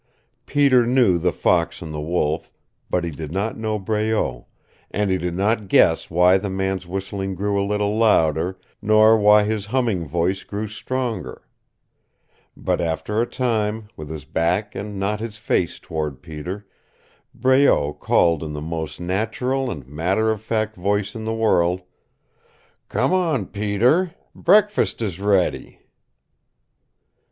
Peter knew the fox and the wolf, but he did not know Breault, and he did not guess why the man's whistling grew a little louder, nor why his humming voice grew stronger. But after a time, with his back and not his face toward Peter, Breault called in the most natural and matter of fact voice in the world, "Come on, Peter. Breakfast is ready!"